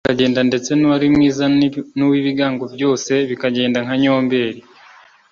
uburanga bukagenda ndetse n’uwari mwiza n’uwibigango byose bikagenda nka nyombere